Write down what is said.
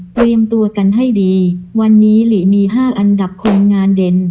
เตรียมตัวกันให้ดีวันนี้หลีมี๕อันดับคนงานเด่น